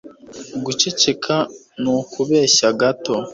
Guceceka ni ukubeshya gato